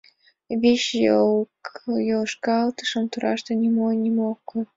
Вич йолтошкалтыш торашке нимо-нимо ок кой.